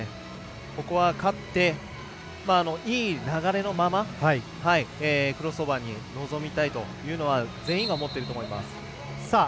ここは勝って、いい流れのままクロスオーバーに臨みたいと全員が思ってると思います。